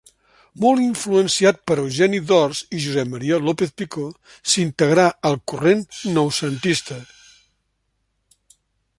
Molt influenciat per Eugeni d'Ors i Josep Maria López-Picó, s'integrà al corrent noucentista.